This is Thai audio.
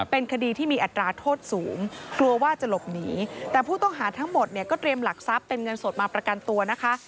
เป็นคดีที่มีอัตราโทษสูงกลัวว่าจะหลบหนีแต่ผู้ต้องหาทั้งหมดเนี่ยก็เตรียมหลักทรัพย์เป็นเงินสดมาประกันตัวนะคะ